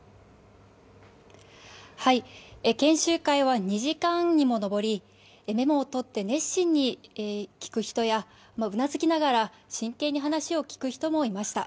研修会は２時間にも上りメモを取って熱心に聞く人やうなずきながら真剣に話を聞く人もいました。